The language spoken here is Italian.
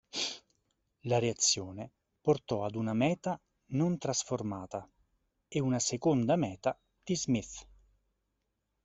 La reazione portò ad una meta non trasformata e una seconda meta di Smith.